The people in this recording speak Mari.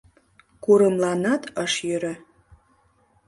Курымланат ыш йӧрӧ.